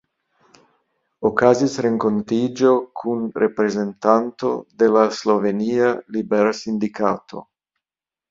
Okazis renkontiĝo kun reprezentanto de la slovenia libera sindikato.